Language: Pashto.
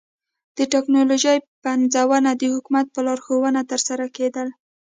د ټکنالوژۍ پنځونه د حکومت په لارښوونه ترسره کېدل